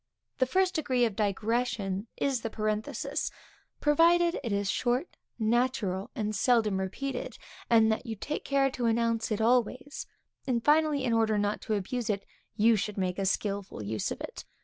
The first degree of digression is the parenthesis; provided it is short, natural, and seldom repeated; and that you take care to announce it always; and finally, in order not to abuse it, you should make a skilful use of it.